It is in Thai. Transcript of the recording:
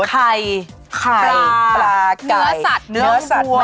ไข่ไข่ปลาไก่เนื้อสัตว์เนื้อหัว